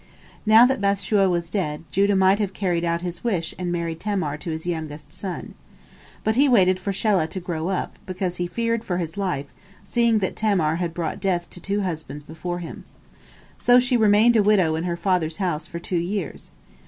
Now that Bath shua was dead, Judah might have carried out his wish and married Tamar to his youngest son. But he waited for Shelah to grow up, because he feared for his life, seeing that Tamar had brought death to two husbands before him. So she remained a widow in her father's house for two years.